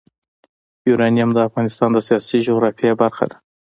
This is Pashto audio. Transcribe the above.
یورانیم د افغانستان د سیاسي جغرافیه برخه ده.